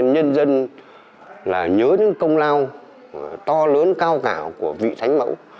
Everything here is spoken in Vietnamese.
nhân dân là nhớ những công lao to lớn cao cảo của vị thánh mẫu